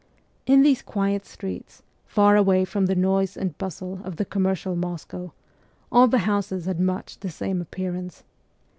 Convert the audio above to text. In these quiet streets, far away from the noise and bustle of the commercial Moscow, all the houses had much the same appearance.